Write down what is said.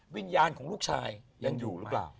วิญญาณของลูกชายยังอยู่หรือเปล่า